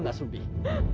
gue gak sendiri